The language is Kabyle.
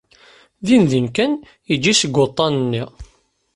Dindin kan yejji seg waḍḍan-nni.